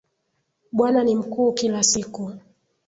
Bwana ni mkuu kila siku